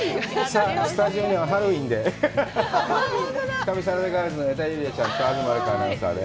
さあ、スタジオにはハロウィンで、